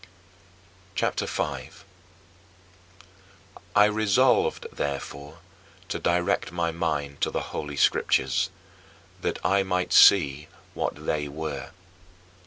CHAPTER V 9. I resolved, therefore, to direct my mind to the Holy Scriptures, that I might see what they were.